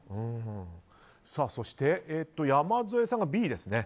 そして山添さんがＢですね。